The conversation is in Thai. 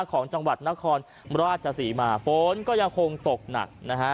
ของจังหวัดนครราชศรีมาฝนก็ยังคงตกหนักนะฮะ